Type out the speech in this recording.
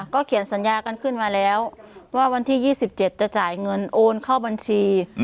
เขียนสัญญากันขึ้นมาแล้วว่าวันที่๒๗จะจ่ายเงินโอนเข้าบัญชี